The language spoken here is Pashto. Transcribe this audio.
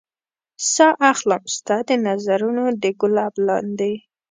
ساه اخلم ستا د نظرونو د ګلاب لاندې